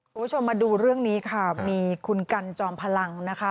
คุณผู้ชมมาดูเรื่องนี้ค่ะมีคุณกันจอมพลังนะคะ